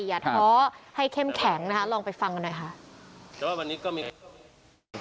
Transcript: อย่าท้อให้เข้มแข็งนะคะลองไปฟังกันหน่อยค่ะ